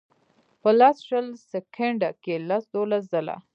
پۀ لس شل سیکنډه کښې لس دولس ځله